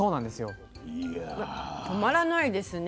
止まらないですね。